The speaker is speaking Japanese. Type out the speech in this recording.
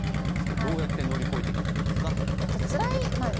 どうやって乗り越えてきたんですか。